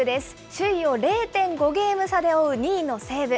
首位を０．５ゲーム差で追う２位の西武。